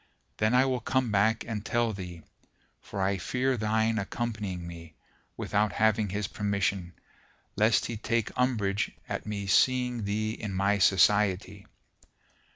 Then I will come back and tell thee: for I fear thine accompanying me, without having his permission, lest he take umbrage at me seeing thee in my society."